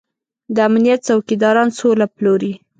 د امنيت څوکيداران سوله پلوري.